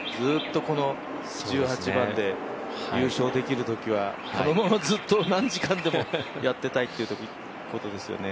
この１８番で優勝できるときは、このままずっと何時間でもやってたいってことですよね。